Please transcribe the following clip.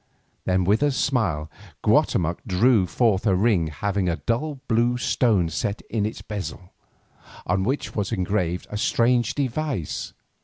Then with a smile Guatemoc drew forth a ring having a dull blue stone set in its bezel, on which was engraved a strange device.